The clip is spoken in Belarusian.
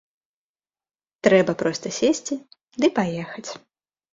Трэба проста сесці ды паехаць.